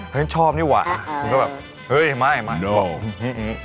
เฮ้ยชอบนี่หว่ามันก็แบบเฮ้ยไม่อะไรอย่างนี้